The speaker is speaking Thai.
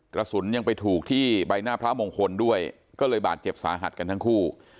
กระสุนยังไปถูกที่ใบหน้าพระมงคลด้วยก็เลยบาดเจ็บสาหัสกันทั้งคู่